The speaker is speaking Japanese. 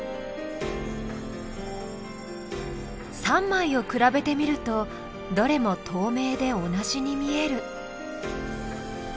３枚を比べてみるとどれもとうめいで同じに見える。